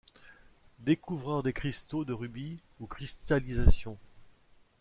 Découvreur des cristaux de rubis ou cristallisations.